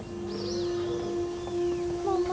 ママ。